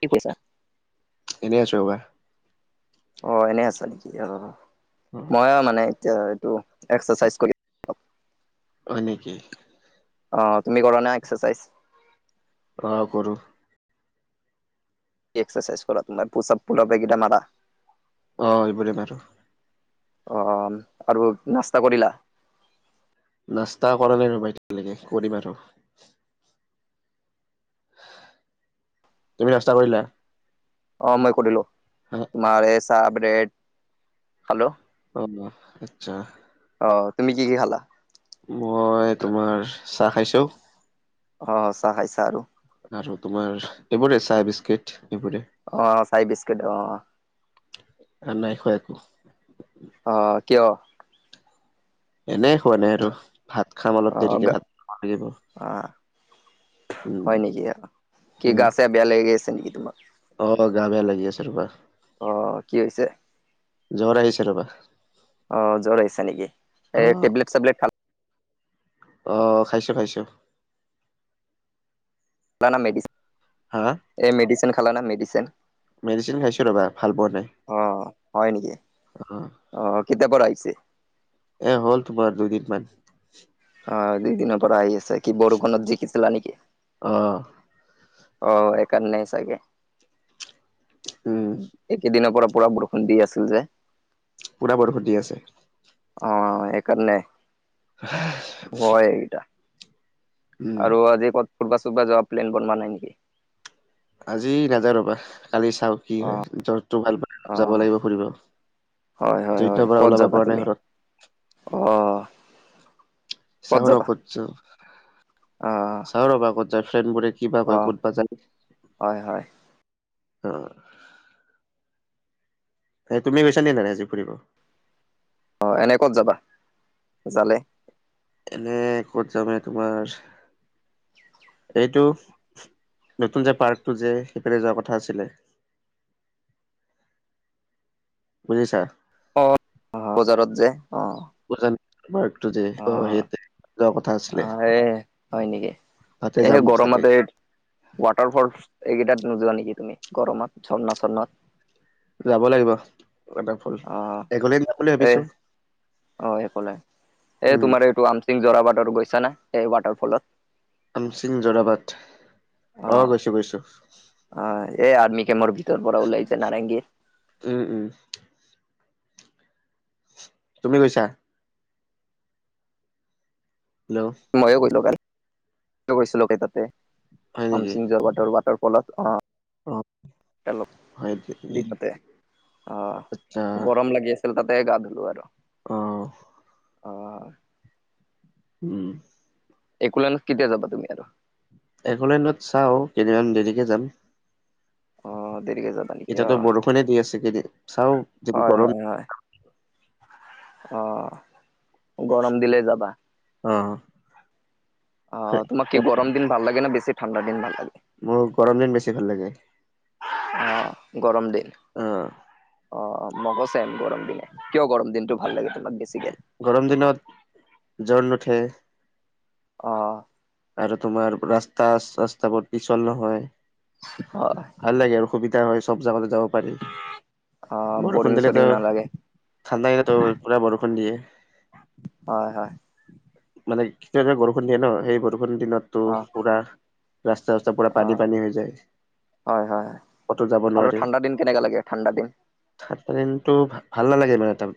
কি কৈছা? এনেই আছোঁ ৰ'বা। অ' এনে আছা নেকি? অ' মই মানে এতিয়া এইটো এক্সাৰচাইজ কৰি হয় নেকি? অ' তুমি কৰানা এক্সাৰচাইজ? অ' কৰোঁ। কি এক্সাৰচাইজ কৰা তোমাৰ, পুচাপ তুমি আটাইকেইটা মাৰা? অ' এইবোৰেই মাৰো। অ' আৰু নাস্তা কৰিলা? নাস্তা কৰা নাই ৰ'বা এতিয়ালৈকে, কৰিম আৰু। তুমি নাস্তা কৰিলা? অ' মই কৰিলোঁ, অ তোমাৰে চাহ, ব্ৰেড খালো। অ' আচ্ছা। অ' তুমি কি কি খালা? মই তোমাৰ চাহ খাইছোঁ। অ' চাহ খাইছা আৰু? আৰু তোমাৰ এইবোৰে চাহ বিস্কিট এইবোৰে। অ' চাই বিস্কুট অ'। আৰু নাই খোৱা একো? অ' কিয়? এনেই খোৱা নাই আৰু। ভাত খাম অলপ দেৰিকে, ভাত খাব লাগিব। আ, উম হয় নেকি কি? উম গা চা বেয়া লাগি আছে নেকি তোমাৰ? অ' অলপ গা বেয়া লাগি আছে ৰ'বা। অ' কি হৈছে? জ্বৰ আহিছে ৰবা। অ' জ্বৰ আহিছে নেকি? অ এই টেবলেট চাবলেট খালা? অ' খাইছোঁ খাইছোঁ। পালা মেডিচিন? হা? এ, মেডিচেন খালানে মেডিচেন? মেডিচিন খাইছোঁ ৰ'বা। ভাল পোৱা নাই অ', হয় নেকি? অ', অ', কেতিয়াৰ পৰা আহিছে। এ হ'ল তোমাৰ দুদিনমান। অ', দুইদিনৰ পৰা আহি আছে। কি বৰষুণত টিটিছিলা নেকি? অ', অ', সেইকাৰণে চাগে। উম একেদিনৰ পৰা পুৰা বৰষুণ। দি আছিল যে। পুৰা বৰষুণ‌ দি আছে। অ', সেইকাৰণে। [inaudible] সেইটা। উম আৰু আজি ক'ত ফুৰবা চুৰবা যোৱা প্লেন বনোৱা নাই নেকি? আজি নাযাওঁ ৰ'বা। কালি চাওঁ। কি হয়। জ্বৰটো ভাল পালে যাব অ', লাগিব ফুৰিব। হয়, হয়, হয়, জ্বৰটোৰ পৰা ক'ত ওলাব যাবা পৰা নাই তুমি? ঘৰত। অ', চাও ৰ ক'ত যাওঁ। অ', চাও ৰ'বা ক'ত যাওঁ, ফ্ৰেণ্ডবোৰে। কিবা কয়, অ', ক'তবা যায় হয়, হয়, অ', এই তুমি গৈছা নাই আজি ফুৰিব অ', এনে ক'ত যাবা। জালে এনে ক'ত যামে তোমাৰ। এইটো নতুন যে পাৰ্কটো যে সেইফালে যোৱাৰ কথা আছিলে। বুজিছাঁ। অ', বজাৰত যে। অ', পাৰ্টো যে আহ্ অ', সেইতে যোৱাৰ কথা আছিলে। অ', এ হয় নেকি? তাতে এইহে যাম চাগে গৰমতে। ৱাটাৰ ফল, এইকেইটাত নোযোৱা নেকি তুমি গৰমত ঝৰ্ণা চৰ্ণত। যাব লাগিব। অ', এগলে যাম বুলি এই ভাবিছো অ', একো নাই, এই উম তোমাৰ এইটো আম চিংজোৰাবাটৰ গৈছা নে। সেই ৱাটাৰফলত। আমচিং যোৰাবাট, অ', গৈছোঁ গৈছোঁ। অ', এই আৰ্মি কেমৰ ভিতৰ পৰা ওলাইছে, নাৰেংগীৰ। উম্ উম্ তুমি গৈছাঁ। হেল্ল' মইয়ো গলোঁ কালি। গৈছিলোই তাতে, হয় নেকি আমচিং যোৱা বাটৰ ৱাটাৰ ফলত অ', অ হেল্ল', হয় নেকি? দিনতে, অ', আচ্ছা গৰম লাগি আছিল, তাতে গা ধুলো আৰু। অ', অ', উম্, একোলেন কেতিয়া যাবা তুমি আৰু। এক'লেণ্ডত চাওঁ, কেইদিনমান দেৰিকে যাম। অ দেৰিকে যাবা নেকি অ এটিয়াতো বৰষুণে দি আছে। কি চাওঁ যদি হয় গৰম হয় হয় অ', গৰম দিলে যাবা। অ', অ', তোমাক কি গৰম দিন ভাল লাগেনে? ঠাণ্ডা দিন ভাল লাগে! মোৰ গৰম দিন বেছি ভাল লাগে। অ', গৰম দিন। অ', অ', মোকো ছেম গৰম দিনে। কিয় গৰম দিনটো ভাল লাগে তোমাক? বেছিকে গৰম দিনত জ্বৰ নুঠে। অ আৰু তোমাৰ ৰাস্তা চাস্তাবোৰ পিচল নহয় হয়। ভাল লাগে আৰু সুবিধা হয় সব জাগালে যাব পাৰি অ বৰিং বৰষুণ চৰিং দিলেেতো নালাগে ঠাণ্ডা [unintelligible] পুৰা বৰষুণ দিয়ে। হয় হয়। মানে কেতিয়াবা বৰষুণ দিয়ে ন সেই বৰষুণ দিনতো অ পুৰা ৰাস্তা চাস্তা পুৰা অ পানি পানী হৈ যায়। হয় হয় হয় ক'তো যাব আৰু নোৱাৰি। ঠাণ্ডা দিন কেনেকা লাগে ঠাণ্ডা দিন? ঠাণ্ডা দিনতো ভাল নালাগে মানে ত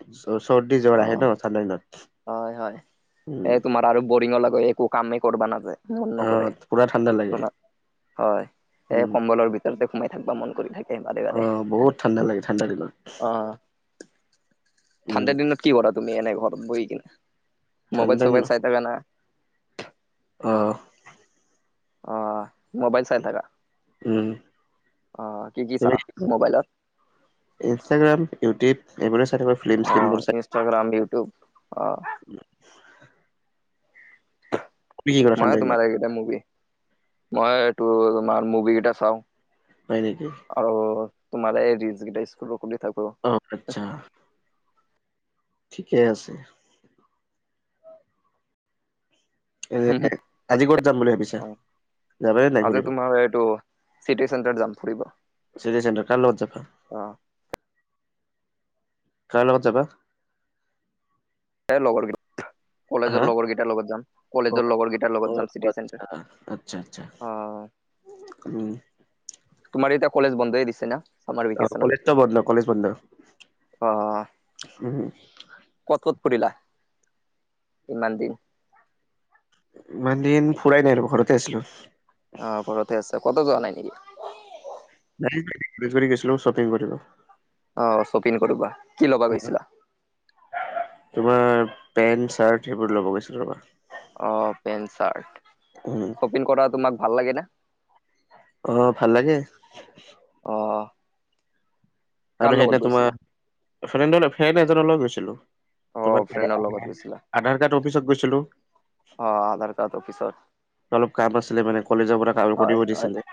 চৰ্দি অ জ্বৰ আহে ন ঠাণ্ডা দিনত। হয় হয় উম এ তোমাৰ আৰু বৰিঙৰ লগত একো কামেই কৰিবা নাযায়। মন অ নকৰে পুৰা ঠাণ্ডা লাগে [unintelligible] হয় এ উম কম্বলৰ ভিতৰতে সোমাই থাক বা মন কৰি থাকে। অ সেই বহুত ঠাণ্ডা লাগে ঠাণ্ডা দিনত। [unintelligible] অ'। উম ঠাণ্ডাৰ দিনত কি কৰা তুমি এনে ঘৰত বহি কিনে মোবাইল ঠাণ্ডা চবাইল চাই থাকা না? অঁ'। অ', মোবাইল চাইল থাক উম অ', কি কি চা তুমি মোবাইলত? ইনষ্টাগ্ৰাম ইউটিউব এইবোৰে চাই থকা ফিল্ম অ শ্লিমবোৰ চাই ইনষ্টাগ্ৰাম, ইউটউব অ'। তুমি কি কৰা মই ঠাণ্ডা দিনত তোমাৰ এইকেইটা মুভি, মই এইটো তোমাৰ মুভি কেইটা চাও। হয় নেকি? আৰু তোমালে এই ৰিলছ কেইটা স্ক্ৰল কৰি থাকো। অ', আচ্ছা। ঠিকে আছে। এ আজি ক'ত যাম বুলি ভাবিছা? অ যাবানে নাই আজি ঘূৰিব? তোমাৰ এইটো চিটি চেণ্টাৰত যাম ফুৰিব। চিতি চেণ্টাৰ কাৰ লগত যাবা অ কাৰ লগত যাবা? লগৰ কেইট হা কলেজৰ লগৰ কেইটাৰ লগত যাম অ কলেজৰ লগৰ কেইটাৰ লগত যাম চিটি আচ্ছা চেণ্টাৰ। আচ্ছা আচ্ছা অ উম। তোমাৰ এতিয়া কলেজ বন্ধই দিছে ন? অ', কলেজটো বন্ধ কলেজ বন্ধ অ উম। ক'ত ক'ত ফুৰিলা, ইমান দিন? ইমান দিন ফুৰাই নাই ৰবা, ঘৰতে আছিলো। অ', ঘৰতে আছে কটো যোৱা নাই নেকি? নাই [unintelligible] চপিং কৰিব। অ', শ্বপিন কৰিব কি ল'বা গৈছিলা? তোমাৰ পেন্ট চাৰ্ট সেইবোৰ ল'ব গৈছিল ৰবা। অ', পেণ্ট চাৰ্ট। উম। শ্বপিং কৰা তোমাক ভাল লাগে না? অ', ভাল লাগে। অ'। কাৰ আৰু লগত সেইদিনা তোমাৰ গৈছিলা ফেণ্ড ফ্ৰেণ্ড এজনৰ লগত গৈছিলো। অ তোমাৰ ফ্ৰেণ্ডৰ লগত গৈছিলা আধাৰ কাৰ্ড অফিচত গৈছিলো। অ', আধাৰ কাৰ্ড অফিচট। অলপ কাম আছিলে মানে কলেজৰ পৰা কাম হয় কৰিব হয় দিছিলে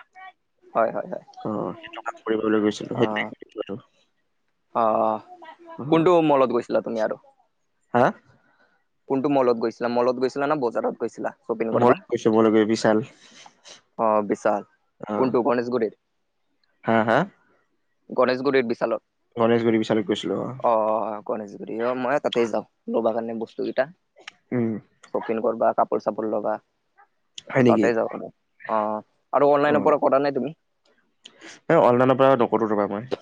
হয় হয় হয় অ', সেইটো কাম কৰিবলৈ গৈছিলো অ [unintelligible] অ', অ' কোনটো মলত গৈছিলা তুমি আৰু? হা? কোনটো মলত গৈছিলা মলত গৈছিলা না বজাৰত গৈছিলা? শ্বপিং মল কৰবা কৈছো, মলৈ গৈ বিশাল। অ' বিছাল, অ' কোনতো গণেশগুৰি? হা হা? গণেশগুৰিৰ বিশালত। গনেশগুৰি বিচাল গৈছিলো অ'। গণেশগুৰি অ' মই তাতেই যাওঁ লব কাৰণে বস্তু কেইটা। উম। শ্বপিং কৰিবা কাপোৰ চাপোৰ লৱা। হয় নেকি? তাতে যাওঁ, অ' আৰু অনলাইনৰ অ' পৰা কৰা নাই তুমি? অনলাইনৰ পৰা নকৰো ৰবা মই।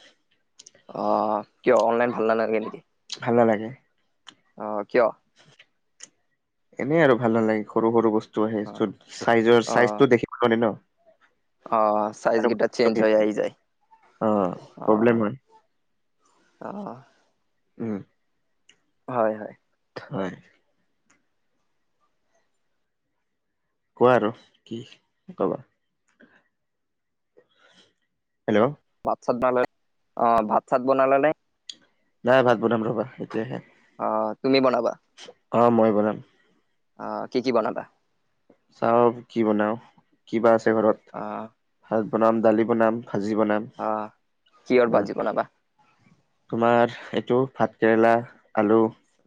অ' কিয় অনলাইন ভাল নালাগে নেকি? ভাল নালাগে। অ' কিয়? এনে আৰু ভাল নালাগে সৰু সৰু বস্তু আহে যত চাইজৰ অ চাইজটো দেখি [unintelligible] ন? অ' চাইজ আৰু কেইটা, চেঞ্জ হৈ আহ যায় অ প্ৰব্লেম অ'। হয় অ'। উম। হয়, হয়। হয়। কোৱা আৰু, কি ক'বা। হেল্ল' ভাত চাত বনাল, অ' ভাত চাত বনালা নে? নাই ভাত বনাম ৰ'বা, এতিয়াহে। অ', তুমি বনাবা? অ' মই বনাম। অ', কি কি বনাবা? চাওঁ কি বনাওঁ, কিবা আছে ঘৰত। অ'। ভাত বনাম, দালি বনাম, ভাজি বনাম। আহ, কিহৰ উম ভাজি বনাবা? তোমাৰ এইটো, ভাত কেৰেলা, আলু।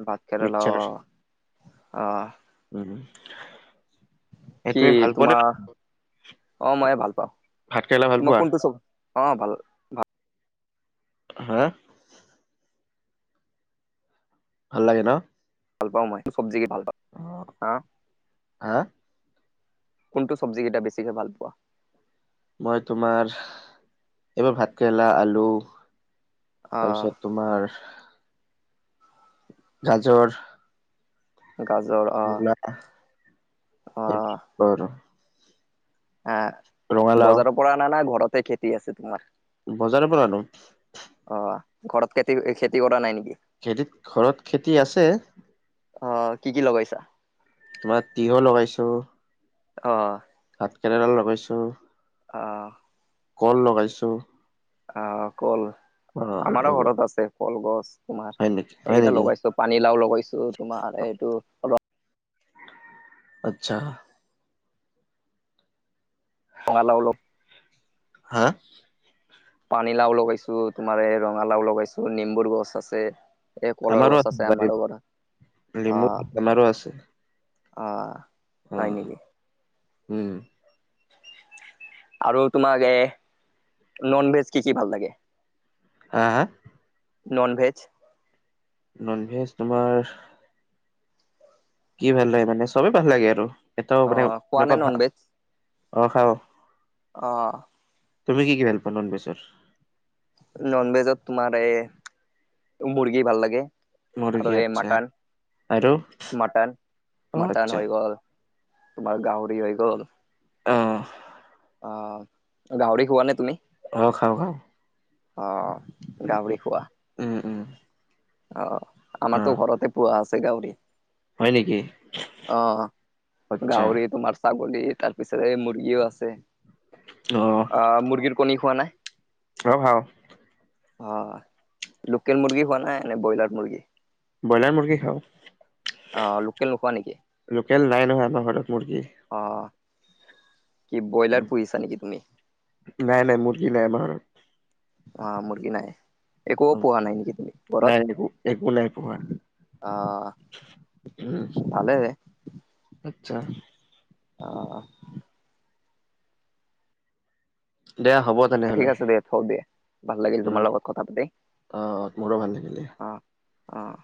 ভাত কেৰেলা, মিক্সাৰ অ'। কি এটোৱেই ভাল পোৱা নে তোমাৰ তুমি? অ' মইে ভাল পাওঁ, ভাল মই পোৱা কোনটো চব, অ' ভাল। হা? ভাল লাগে ন। ভাল পাওঁ মই সটো চব্জিকে ভাল পাওঁ, অ হা। হা কোনটো চব্জিকেইটা বেছিকৈ ভাল পোৱা? মই তোমাৰ, এইবাৰ ভাত কেৰেলা আলু, অ তাৰপিছত তোমাৰ গাজৰ। গাজৰ। অ মনা, অ এইটো আৰু। আহ, ৰঙালাও বজাৰৰ পৰা অনা নাই ঘৰতে খেতি আছে তোমাৰ? বজাৰৰ পৰা আনো। অ' ঘৰত খেতি, খেতি কৰা নাই নেকি? খেতি, ঘৰত খেতি আছে। অ' কি কি লগাইছা? তোমাৰ তিয়হ লগাইছো। অ'। ভাত কেৰেলা লগাইছোঁ। অহ। কল লগাইছোঁ। অহ, কল আমাৰো এইবোৰ ঘৰত আছে, কলগছ তোমাৰ হয় নেকি হয় এইগেইটা নেকি? লগাইছোঁ। পানীলাউ লগাইছোঁ, তোমাৰ এইটো আচ্ছা। ৰঙালাউ অলপ হা! পানীলাউ লগাইছোঁ, তোমাৰ এই ৰঙালাউ লগাইছোঁ, নিম্বুৰ গছ আছে। এই কলৰ আমাৰো গছ আছে, বাৰীত, আমাৰো পৰা নেমু অহ। আমাৰো আছে অহ, অ হয় নেকি? উম। আৰু তোমাক এ, ননভেজ কি কি ভাল লাগে? হ, হা! ননভেজ। ননভেজ তোমাৰ কি ভাল লাগে মানে চবেই ভাল লাগে আৰু এটাও অ মানে খোৱা নে এনেকুৱা নন ভাল, ভেজ অহ, খাওঁ। অহ। তুমি কি কি ভাল পোৱা ননভেজৰ? ননভেজত তোমাৰ এ মুৰ্গী ভাল লাগে। মুৰ্গী আৰু এই আচ্ছা মাটন, আৰু মটন, অ মটন আচ্ছা হৈ গ'ল। তোমাৰ গাহৰি হৈ গ'ল। অহ। অহ, গাহৰি খোৱানে তুমি? অহ, খাওঁ খাওঁ। অহ, উম গাহৰি খোৱা উম উম অহ। অ আমাৰতো ঘৰতে পুৱা আছে গাহৰি। হয় নেকি অহ, আচ্ছা গাহৰিত তোমাৰ ছাগলী তাৰপিছত এই মুৰ্গীও আছে। অহ। অহ, মুৰ্গীৰ কণী খোৱানে? অহ, খাওঁ। অহ, লোকেল মুৰ্গী খোৱানে, নে ব্ৰইলাৰ মুৰ্গী। ব্ৰইলাৰ মুৰ্গী খাওঁ। অহ, লোকেল নোখোৱা নেকি? লোকেল নাই নহয় আমাৰ ঘৰত মুৰ্গী। অহ, কি ব্ৰইলাৰ পুহিছা নেকি তুমি? নাই-নাই মুৰ্গী নাই আমাৰ ঘৰত। অহ, মুৰ্গী নাই। একো পোহা নাই নেকি তুমি ঘৰত? নাই একো একো নাই পোহা অহ, উম ভালে। আচ্ছা। অহ। দে হ'ব। ঠিক তেনেহলে আছে দে, থওঁ দে। ভাল লাগিল উম তোমাল লগ কথা পাতি অ মোৰো ভাল লাগিলে অহ, অহ।